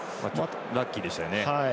ラッキーでしたよね。